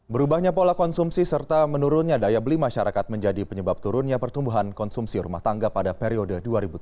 berubahnya pola konsumsi serta menurunnya daya beli masyarakat menjadi penyebab turunnya pertumbuhan konsumsi rumah tangga pada periode dua ribu tujuh belas dua ribu